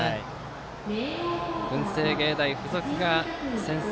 文星芸大付属が先制。